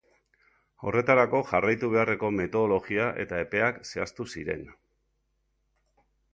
Horretarako jarraitu beharreko metodologia eta epeak zehaztu ziren.